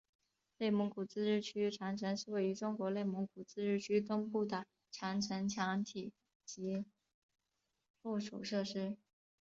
内蒙古自治区长城是位于中国内蒙古自治区东部的长城墙体及附属设施。